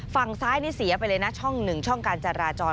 ฝั่งซ้ายนี่เสียไปเลยนะช่องหนึ่งช่องการจราจร